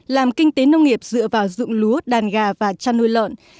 làm kinh tế nông nghiệp dựa vào dụng lúa đàn gà và chăn nuôi lợn